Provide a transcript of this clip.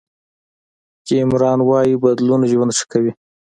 جیم ران وایي بدلون ژوند ښه کوي.